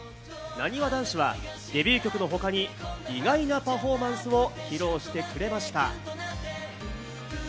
なにわ男子はデビュー曲のほかに意外なパフォーマンスを披露してくれました。